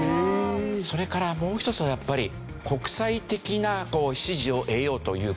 それからもう一つはやっぱり国際的な支持を得ようという事ですね。